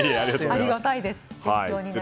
ありがたいです。